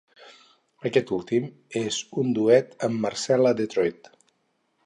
Aquest últim és un duet amb Marcella Detroit.